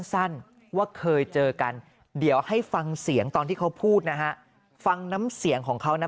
สั้นว่าเคยเจอกันเดี๋ยวให้ฟังเสียงตอนที่เขาพูดนะฮะฟังน้ำเสียงของเขานะ